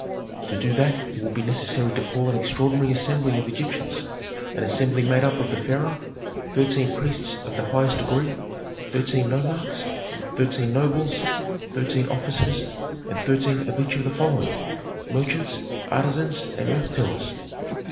"To do that it would be necessary to call an extraordinary assembly of Egyptians, an assembly made up of the pharaoh, thirteen priests of the highest degree, thirteen nomarchs, thirteen nobles, thirteen officers, and thirteen of each of the following: merchants, artisans, and earth tillers."